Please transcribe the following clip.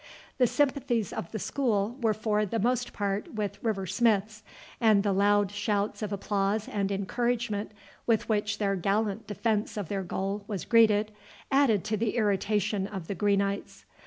The sympathies of the school were for the most part with River Smith's, and the loud shouts of applause and encouragement with which their gallant defence of their goal was greeted, added to the irritation of the Greenites.